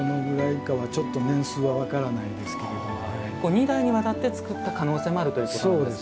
２代にわたって作った可能性もあるということなんですか？